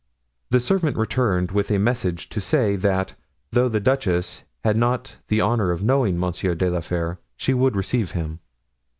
The servant returned with a message to say, that, though the duchess had not the honor of knowing Monsieur de la Fere, she would receive him.